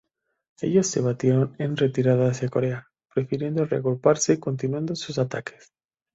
Ellos se batieron en retirada hacia Corea, prefiriendo reagruparse y continuando sus ataques.